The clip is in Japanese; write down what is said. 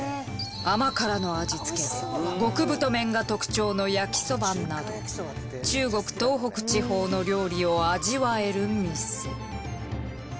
甘辛の味付けで極太麺が特徴の焼きそばなど中国東北地方の料理を味わえる店。